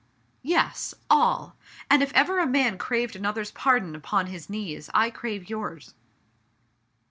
"Yes! AIL And if ever a man craved another's pardon upon his knees, I crave yours."